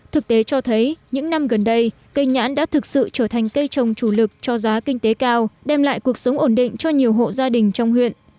thực tế cho thấy những năm gần đây cây nhãn đã thực sự trở thành cây trồng chủ lực cho giá kinh tế cao đem lại cuộc sống ổn định cho nhiều hộ gia đình trong huyện